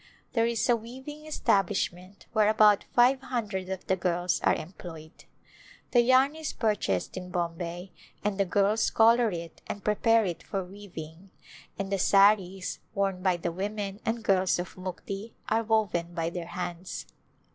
There is a weaving establishment where about five hundred of the girls are employed. The yarn is purchased in Bombay and the girls coJor [ 362] Return to India it and prepare it for weaving, and the saris worn by the women and girls of Mukti are woven by their hands.